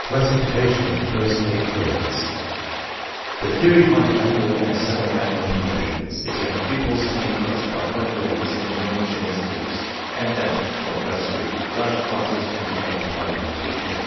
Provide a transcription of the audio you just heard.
CLASSIFICATION IN THE FIRST EIGHT GRADES The theory behind annual and semiannual promotions is that pupils can be classified by grades into homogene ous groups and that, when thus grouped, large classes can be handled by one teacher.